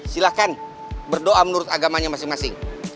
silahkan berdoa menurut agamanya masing masing